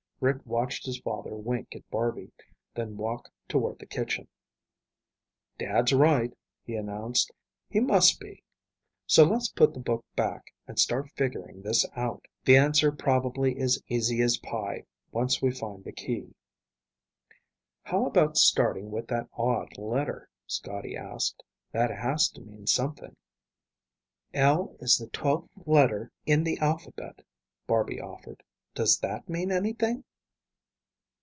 Rick watched his father wink at Barby, then walk toward the kitchen. "Dad's right," he announced. "He must be. So let's put the book back and start figuring this out. The answer probably is easy as pie once we find the key." "How about starting with that odd letter?" Scotty asked. "That has to mean something." "L is the twelfth letter in the alphabet," Barby offered. "Does that mean anything?"